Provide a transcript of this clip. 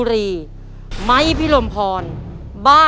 เร็วเร็วเร็วเร็ว